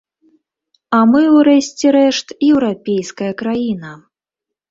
А мы, у рэшце рэшт, еўрапейская краіна.